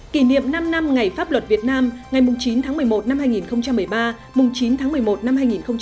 kỷ niệm năm năm ngày pháp luật việt nam ngày chín tháng một mươi một năm hai nghìn một mươi ba chín tháng một mươi một năm hai nghìn một mươi chín